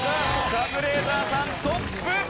カズレーザーさんトップ！